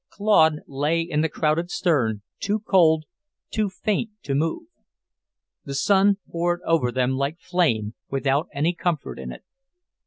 Claude lay in the crowded stern, too cold, too faint to move. The sun poured over them like flame, without any comfort in it.